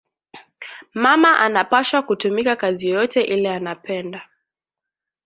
Mama anapashwa kutumika kazi yoyote ile anapenda